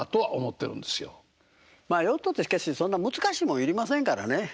ヨットってしかしそんな難しいもんいりませんからね。